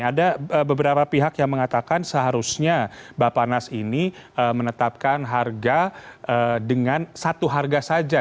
ada beberapa pihak yang mengatakan seharusnya bapak nas ini menetapkan harga dengan satu harga saja